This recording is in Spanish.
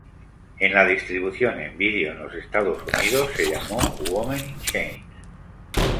En la distribución en vídeo en los Estados Unidos se llamó Women in Chains.